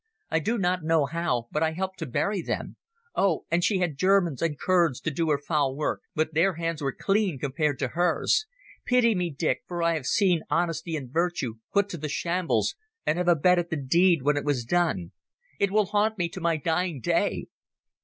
I do not know how, but I helped to bury them. Oh, she had Germans and Kurds to do her foul work, but their hands were clean compared to hers. Pity me, Dick, for I have seen honesty and virtue put to the shambles and have abetted the deed when it was done. It will haunt me to my dying day."